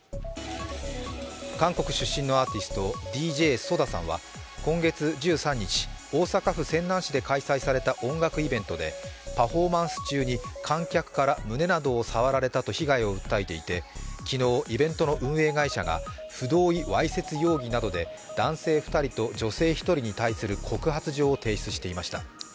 韓国出身のあーティスト、ＤＪＳＯＤＡさんは今月１３日、大阪府泉南市で開催された音楽イベントでパフォーマンス中に観客から胸などを触られたと被害を訴えていて昨日、イベントの運営会社が不同意わせいつ容疑などで男性２人と女性１人に対する告発状を提出していました。